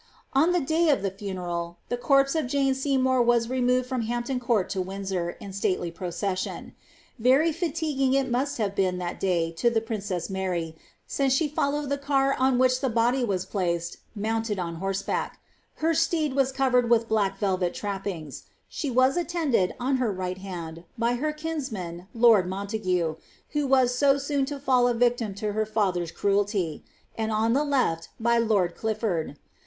On the day of the funeral, the corpse of Jane Seymour was remoft from Hampton Court to Windsor, in stately procession. Very fatiguii must have been thai day to the princess Mary, since she followed tl car on which (he body was placed, mounted on horseback. was covered with black velvet trappings; she was attended, on her ri|jfc^"^~ hand, by her kinsman, lord Montague i^who was so soon to fall a victim to her father's cruelty), and on the left, by lord Clifford.